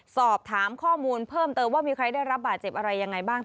สอบถามข้อมูลเพิ่มเติมว่ามีใครได้รับบาดเจ็บอะไรยังไงบ้าง